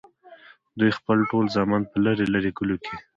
دوي خپل ټول زامن پۀ لرې لرې کلو کښې